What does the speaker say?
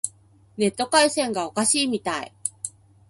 ネット回線がおかしいみたい。